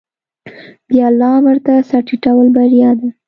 د الله امر ته سر ټیټول بریا ده.